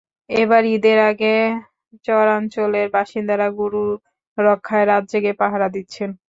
এবার ঈদের আগে চরাঞ্চলের বাসিন্দারা গরু রক্ষায় রাত জেগে পাহারা দিচ্ছেন।